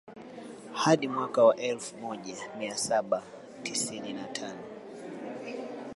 Hadi mwaka wa elfu moja mia saba tisini na tano